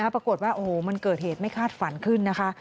ปรากฏว่าโอ้โหมันเกิดเหตุไม่คาดฝันขึ้นนะคะ